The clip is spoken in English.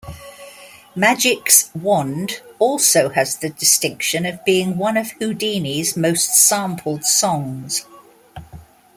"Magic's Wand" also has the distinction of being one of Whodini's most-sampled songs.